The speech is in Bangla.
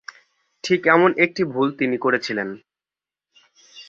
ঠিক এমন একটি ভুল তিনি করেছিলেন।